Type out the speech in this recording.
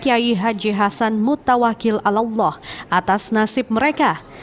kiai haji hasan mutawakil allah atas nasib mereka